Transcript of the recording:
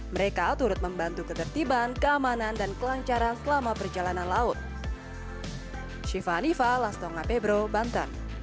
mereka turut membantu ketertiban keamanan dan kelancaran selama perjalanan laut